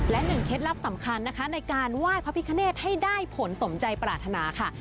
และหนึ่งเคล็ดลับสำคัญนะคะในการไหว้พระพิคเนตให้ได้ผลสมใจปรารถนาค่ะ